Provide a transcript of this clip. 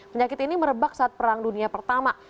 penyakit ini merebak saat perang dunia pertama